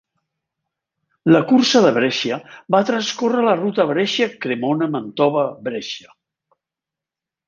La cursa de Brescia va transcórrer la ruta Brescia-Cremona-Mantova-Brescia.